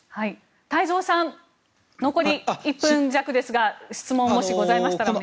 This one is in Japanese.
太蔵さん残り１分弱ですが質問、もしございましたらお願いします。